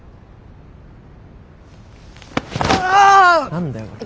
何だよこら。